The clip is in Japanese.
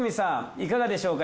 いかがでしょうか？